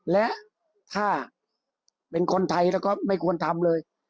และถ้าเป็นคนไทยแล้วก็ไม่ควรทำเลย